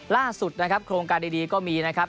ล่าสุดนะครับโครงการดีก็มีนะครับ